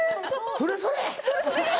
それそれ！